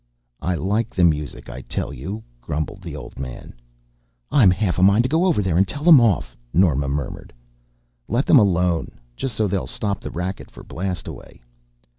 "I like the music, I tell you," grumbled the old man. "I'm half a mind to go over there and tell them off," Nora murmured. "Let them alone. Just so they'll stop the racket for blast away."